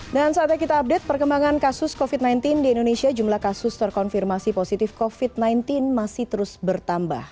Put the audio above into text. dan saatnya kita update perkembangan kasus covid sembilan belas di indonesia jumlah kasus terkonfirmasi positif covid sembilan belas masih terus bertambah